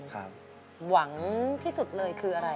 หวังที่สุดเลยคืออะไร